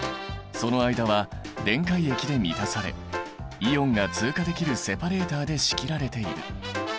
その間は電解液で満たされイオンが通過できるセパレーターで仕切られている。